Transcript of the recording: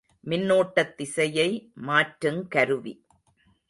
மின்னோட்டத்திசையை மாற்றுங் கருவி.